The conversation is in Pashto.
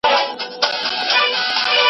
هر عمل یې د شیطان وي په خلوت کي